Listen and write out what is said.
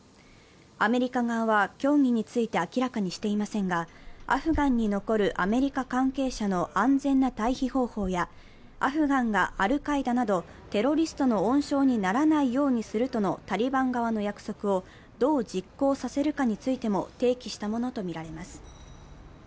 アメリカ側は協議について明らかにしていませんがアフガンに残るアメリカ関係者の安全な退避方法やアフガンがアルカイダなどテロリストの温床にならないようにするとのタリバン側の約束をどう実行させるかについても提起したものとみられます。